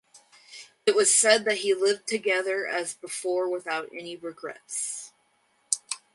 It was said that he lived together as before without any regrets.